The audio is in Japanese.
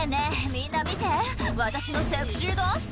みんな見て私のセクシーダンス」